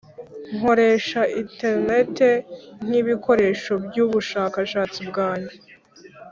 nkoresha interineti nkibikoresho byubushakashatsi bwanjye.